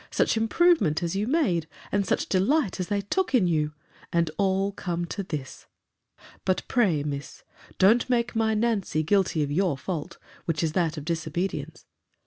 such improvement as you made! and such delight as they took in you!—And all come to this!— But pray, Miss, don't make my Nancy guilt of your fault; which is that of disobedience.